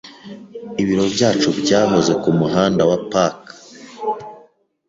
Ibiro byacu byahoze kumuhanda wa Park.